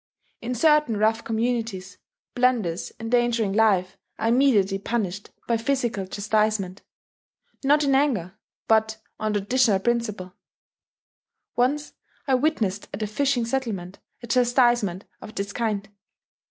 In certain rough communities, blunders endangering life are immediately punished by physical chastisement, not in anger, but on traditional principle. Once I witnessed at a fishing settlement, a chastisement of this kind.